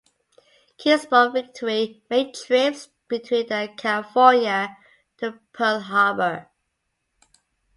"Kingsport Victory" made trips between the California to Pearl Harbor.